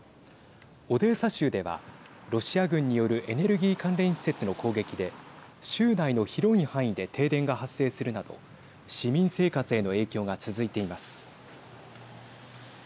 オデーサ州ではロシア軍によるエネルギー関連施設の攻撃で州内の広い範囲で停電が発生するなど市民生活への影響が続いています。